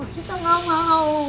kita gak mau